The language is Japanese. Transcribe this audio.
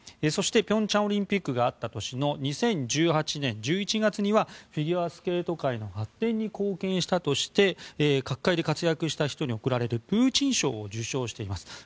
そして平昌オリンピックがあった年の２０１８年１１月にはフィギュアスケート界の発展に貢献したとして各界で活躍した人に贈られるプーチン賞を受賞しています。